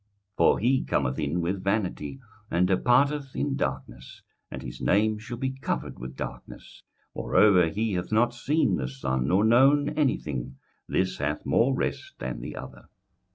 21:006:004 For he cometh in with vanity, and departeth in darkness, and his name shall be covered with darkness. 21:006:005 Moreover he hath not seen the sun, nor known any thing: this hath more rest than the other.